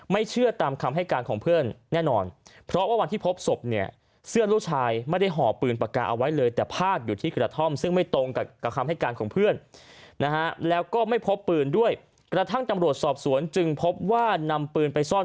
ไม่เชื่อตามคำให้การของเพื่อนแน่นอนเพราะว่าวันที่พบศพเนี่ย